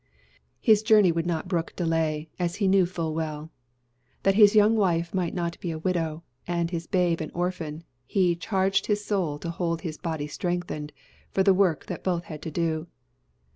His journey would not brook delay, as he knew full well. That his young wife might not be a widow and his babe an orphan, he "charged his soul to hold his body strengthened" for the work that both had to do.